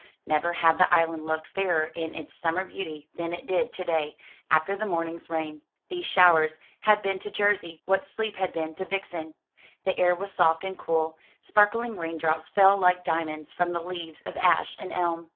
Never had the island looked fairer in its summer beauty than it did to day, after the morning's rain. These showers had been to Jersey what sleep had been to Vixen. The air was soft and cool; sparkling rain drops fell like diamonds from the leaves of ash and elm.